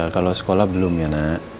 kalau sekolah belum ya nak